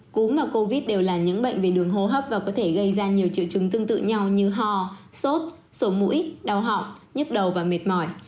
cúm mà covid đều là những bệnh về đường hô hấp và có thể gây ra nhiều triệu chứng tương tự nhau như ho sốt sổ mũi đau họng nhức đầu và mệt mỏi